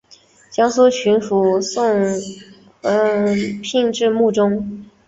江苏巡抚宋荦聘致幕中。